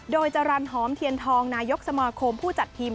โดยจรรย์หอมเทียนทองนายกสมาคมผู้จัดทีม